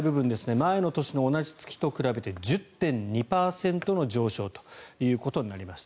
前の年の同じ月と比べて１０．２％の上昇となりました。